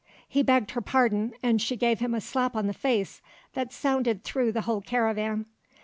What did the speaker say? He begged her pardon and she gave him a slap on the face that sounded through the whole caravan.